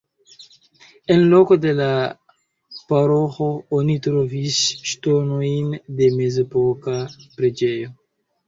En loko de la paroĥo oni trovis ŝtonojn de mezepoka preĝejo.